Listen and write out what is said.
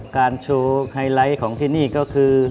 การโชว์ไฮไลท์ของที่นี่ก็คือ